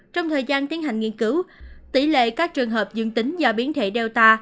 trong thời gian tiến hành nghiên cứu tỷ lệ các trường hợp dương tính do biến thể data